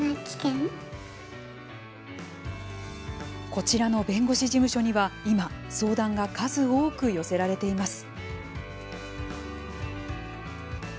こちらの弁護士事務所には今、相談が数多く寄せられています。